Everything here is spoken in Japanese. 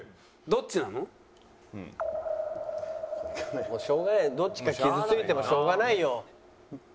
どっちか傷ついてもしょうがないよ。